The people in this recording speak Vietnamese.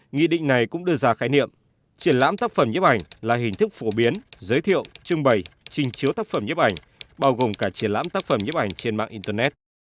nghị định này cũng đưa ra khái niệm triển lãm tác phẩm nhiếp ảnh là hình thức phổ biến giới thiệu trưng bày trình chiếu tác phẩm nhiếp ảnh bao gồm cả triển lãm tác phẩm nhiếp ảnh trên mạng internet